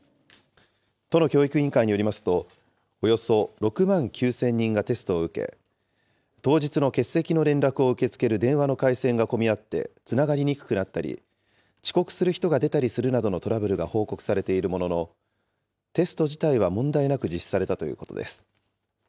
都の教育委員会によりますと、およそ６万９０００人がテストを受け、当日の欠席の連絡を受け付ける電話の回線が混み合ってつながりにくくなったり、遅刻する人が出たりするなどのトラブルが報告されているものの、テスト自体は問題なく実施されたということです。